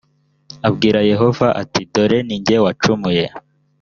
abwira yehova ati dore ni jye wacumuye